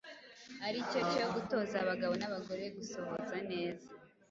ari cyo cyo gutoza abagabo n’abagore gusohoza neza